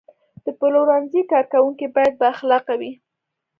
د پلورنځي کارکوونکي باید بااخلاقه وي.